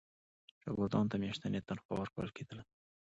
شاګردانو ته میاشتنی تنخوا ورکول کېدله.